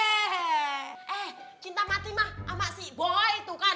eh cinta mati mah sama si boy itu kan